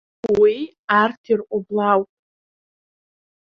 Уи арҭ ирҟәыблаауп!